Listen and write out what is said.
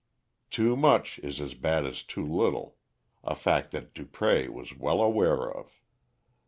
Too much is as bad as too little, a fact that Dupré was well aware of.